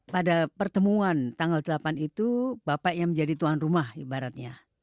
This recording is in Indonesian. pada pertemuan tanggal delapan itu bapak yang menjadi tuan rumah ibaratnya